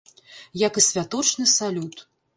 Як і святочны салют.